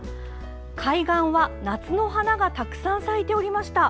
海岸は夏の花がたくさん咲いておりました。